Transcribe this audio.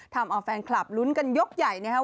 ทำเอาแฟนคลับลุ้นกันยกใหญ่นะครับ